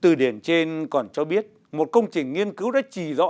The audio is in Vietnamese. từ điển trên còn cho biết một công trình nghiên cứu đã chỉ rõ